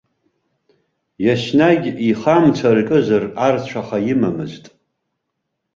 Еснагь, ихы амца аркызар, арцәаха имамызт.